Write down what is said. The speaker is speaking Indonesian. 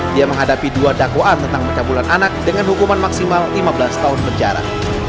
dia menghadapi dua dakwaan tentang pencabulan anak dengan hukuman maksimal lima belas tahun penjara